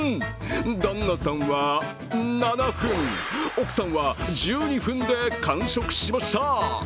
旦那さんは７分、奥さんは１２分で完食しました。